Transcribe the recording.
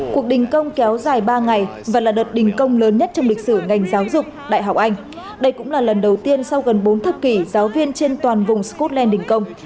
cuộc đình công kéo dài ba ngày và là đợt đình công lớn nhất trong lịch sử ngành giáo dục đại học anh đây cũng là lần đầu tiên sau gần bốn thập kỷ giáo viên trên toàn vùng scotland đình công